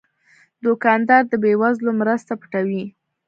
دوکاندار د بې وزلو مرسته پټوي.